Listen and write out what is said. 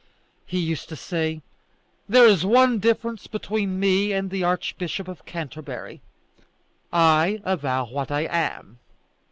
He used to say: "There is one difference between me and the Archbishop of Canterbury: I avow what I am."